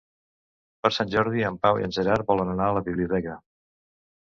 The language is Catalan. Per Sant Jordi en Pau i en Gerard volen anar a la biblioteca.